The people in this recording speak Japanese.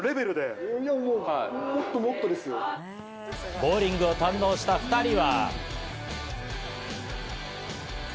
ボウリングを堪能した２人は。